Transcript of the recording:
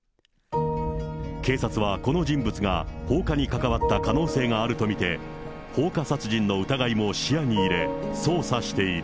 警察はこの人物が放火にかかわった可能性があると見て、放火殺人の疑いも視野に入れ、捜査している。